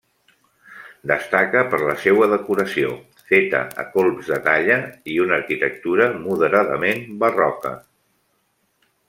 Destaca per la seua decoració, feta a colps de talla i una arquitectura moderadament barroca.